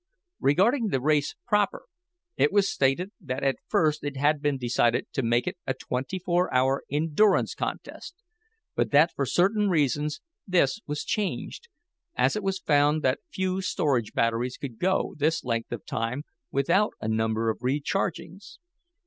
Regarding the race proper it was stated that at first it had been decided to make it a twenty four hour endurance contest, but that for certain reasons this was changed, as it was found that few storage batteries could go this length of time without a number of rechargings.